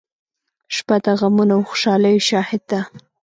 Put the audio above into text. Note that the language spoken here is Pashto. • شپه د غمونو او خوشالیو شاهد ده.